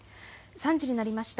３時になりました。